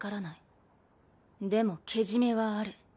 でもけじめはある。